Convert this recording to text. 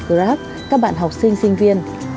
grab các bạn học sinh sinh viên